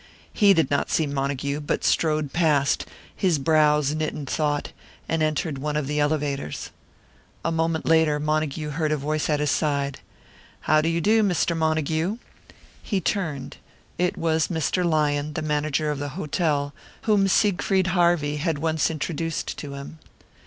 He did not see Montague, but strode past, his brows knit in thought, and entered one of the elevators. A moment later Montague heard a voice at his side. "How do you do, Mr. Montague?" He turned. It was Mr. Lyon, the manager of the hotel, whom Siegfried Harvey had once introduced to him.